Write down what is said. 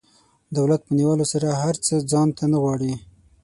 دولت په نیولو سره هر څه ځان ته نه غواړي.